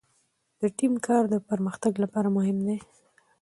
د ټیم کار د پرمختګ لپاره مهم دی.